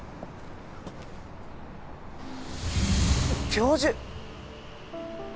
教授！